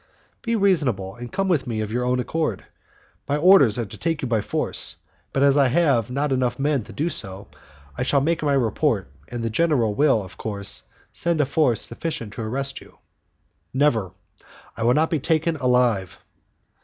"Be reasonable, and come with me of your own accord. My orders are to take you by force, but as I have not enough men to do so, I shall make my report, and the general will, of course, send a force sufficient to arrest you." "Never; I will not be taken alive."